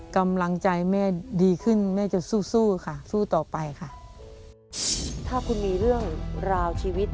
กำลังใจแม่ดีขึ้นแม่จะสู้ค่ะสู้ต่อไปค่ะ